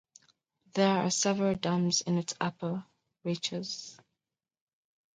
There are several dams in its upper reaches.